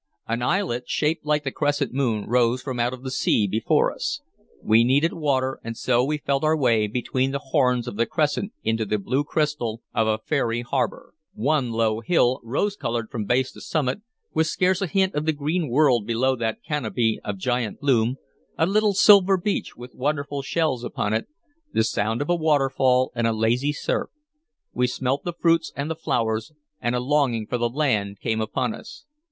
An islet, shaped like the crescent moon, rose from out the sea before us. We needed water, and so we felt our way between the horns of the crescent into the blue crystal of a fairy harbor. One low hill, rose colored from base to summit, with scarce a hint of the green world below that canopy of giant bloom, a little silver beach with wonderful shells upon it, the sound of a waterfall and a lazy surf, we smelt the fruits and the flowers, and a longing for the land came upon us.